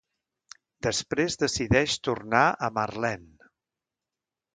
Després decideix tornar a Marlene.